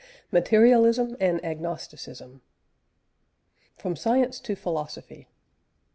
CHAPTER IX MATERIALISM AND AGNOSTICISM FROM SCIENCE TO PHILOSOPHY.